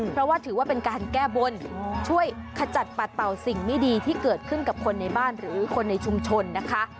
เพราะว่าถือว่าเป็นการแก้บนช่วยขจัดปัดเป่าสิ่งไม่ดีที่เกิดขึ้นกับคนในบ้านหรือคนในชุมชนนะคะ